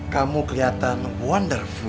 kamu keliatan wonderful